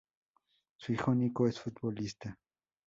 Su hijo Niko es futbolista.